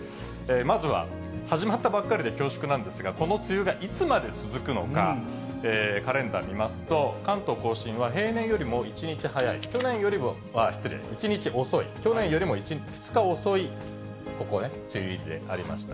まずは始まったばっかりで恐縮なんですが、この梅雨がいつまで続くのか、カレンダー見ますと、関東甲信は平年よりも１日早い、失礼、去年よりは１日遅い、去年よりも２日遅い、ここね、梅雨入りでありました。